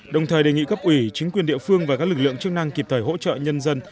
đồng thời đề nghị cấp ủy chính quyền địa phương và các lực lượng chức năng kịp thời hỗ trợ nhân dân